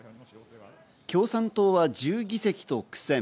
共産党は１０議席と苦戦。